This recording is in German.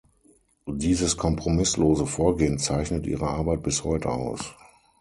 Dieses kompromisslose Vorgehen zeichnet ihre Arbeit bis heute aus.